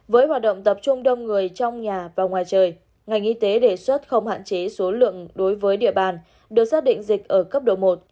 với hoạt động tập trung đông người trong nhà và ngoài trời ngành y tế đề xuất không hạn chế số lượng đối với địa bàn được xác định dịch ở cấp độ một